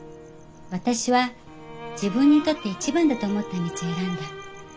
私は自分にとって一番だと思った道を選んだ。